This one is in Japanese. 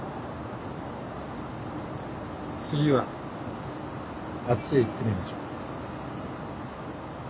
次はあっちへ行ってみましょう。